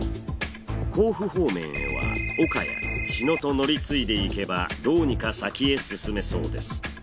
甲府方面へは岡谷茅野と乗り継いでいけばどうにか先へ進めそうです。